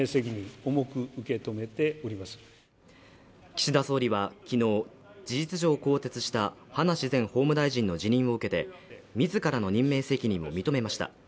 岸田総理はきのう事実上更迭した葉梨前法務大臣の辞任を受けて自らの任命責任を認めました